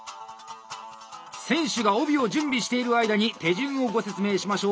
選手が帯を準備している間に手順をご説明しましょう！